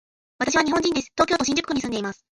私は日本人です。東京都新宿区に住んでいます。